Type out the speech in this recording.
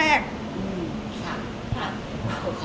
เรื่องแรก